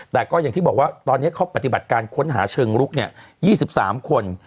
แต่ก็อย่างที่บอกว่าตอนนี้เขาปฏิบัติการค้นหาเชิงลุก๒๓คน